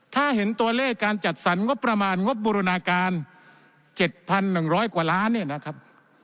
ถ้าเห็นตัวเลขการจัดสรรงบประมาณงบบูรณาการ๗๑๐๐กว่าล้านเนี่ยนะครับ